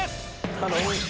頼む！